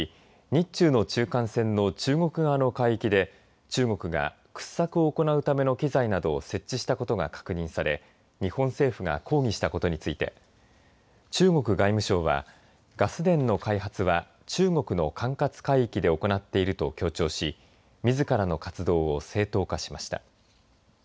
日中の中間線の中国側の海域で中国が掘削を行うための機材などを設置したことが確認され日本政府が抗議したことについて中国外務省はガス田の開発は中国の管轄海域で行っていると強調しみずからの活動を正当化しました。